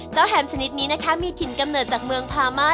แฮมชนิดนี้นะคะมีถิ่นกำเนิดจากเมืองพามา